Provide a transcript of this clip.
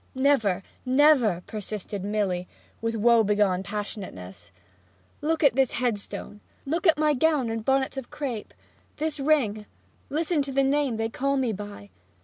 'Never, never!' persisted Milly, with woe begone passionateness. 'Look at this headstone! Look at my gown and bonnet of crape this ring: listen to the name they call me by!